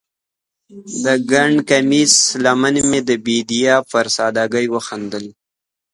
د ګنډ کمیس لمنې مې د بیدیا پر سادګۍ وخندل